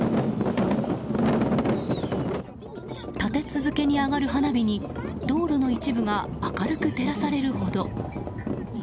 立て続けに上がる花火に道路の一部が明るく照らされるほど。